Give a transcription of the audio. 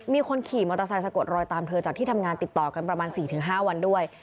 มีคนขี่มอเตอร์ไซค์สะกดรอยตามเธอจากที่ทำงานติดต่อกันประมาณ๔๕วันด้วย